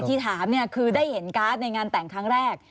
ที่ถามเนี่ยคือได้เห็นการ์ดในงานแต่งครั้งแรก